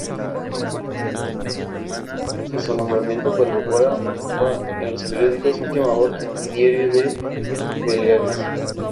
Antes de su nombramiento colaboraba en los periódicos Última Hora y Diario de Baleares.